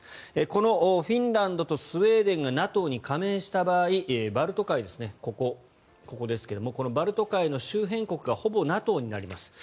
このフィンランドとスウェーデンがＮＡＴＯに加盟した場合バルト海ですね、ここですがこのバルト海の周辺国がほぼＮＡＴＯになります。